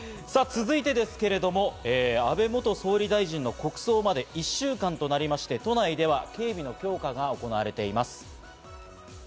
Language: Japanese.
続いて安倍元総理大臣の国葬まで１週間となりまして、都内では警備の強化が行われています。